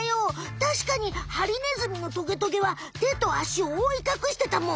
たしかにハリネズミのトゲトゲは手とあしをおおいかくしてたもん。